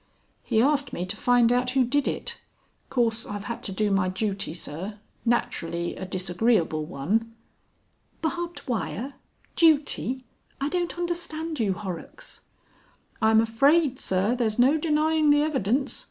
"He asked me to find out who did it. Course I've had to do my duty, Sir. Naturally a disagreeable one." "Barbed wire! Duty! I don't understand you, Horrocks." "I'm afraid, Sir, there's no denying the evidence.